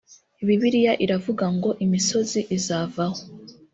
Bibiliya iravuga ngo “imisozi izavaho